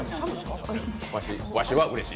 ワシはうれしい。